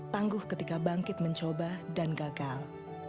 tangguh ketika bangkit mencoba dan gagal